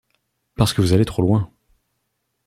Parce que vous allez trop loin !